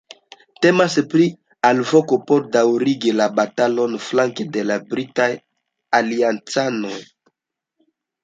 Temas pri alvoko por daŭrigi la batalon flanke de la britaj aliancanoj.